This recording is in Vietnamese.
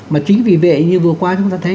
mà chính vì vậy như vừa qua chúng ta thấy